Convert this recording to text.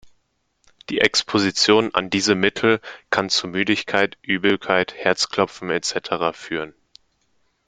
Die Exposition an diese Mittel kann zu Müdigkeit, Übelkeit, Herzklopfen etc. führen.